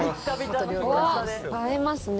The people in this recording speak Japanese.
うわっ映えますね